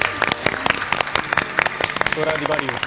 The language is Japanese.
ストラディバリウス。